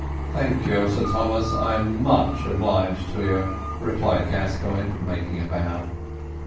"Thank you, Sir Thomas, I am much obliged to you," replied Gascoigne, making a bow.